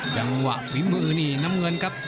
จังหวะฝีมือนี่น้ำเงินครับ